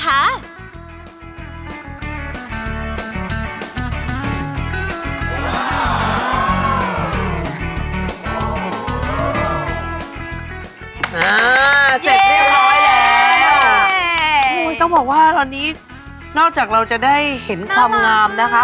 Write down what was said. เสร็จเรียบร้อยแล้วต้องบอกว่าตอนนี้นอกจากเราจะได้เห็นความงามนะคะ